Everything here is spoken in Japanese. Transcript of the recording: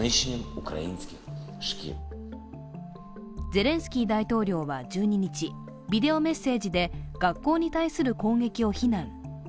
ゼレンスキー大統領は１２日、ビデオメッセージで学校に対する攻撃を非難。